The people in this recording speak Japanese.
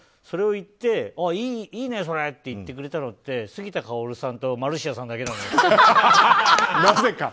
それをいいね、それって言ってくれたのって杉田かおるさんとマルシアさんだけなの。